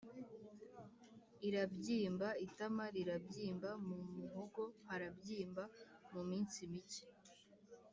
irabyimba, itama rirabyimba, mu muhogo harabyimba, mu minsi mike